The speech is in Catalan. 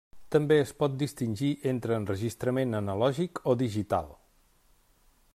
També es pot distingir entre enregistrament analògic o digital.